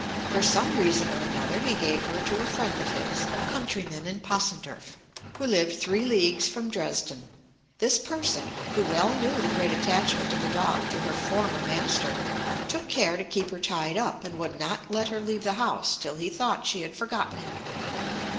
For some reason or another he gave her to a friend of his, a countryman in Possenderf, who lived three leagues from Dresden. This person, who well knew the great attachment of the dog to her former master, took care to keep her tied up, and would not let her leave the house till he thought she had forgotten him.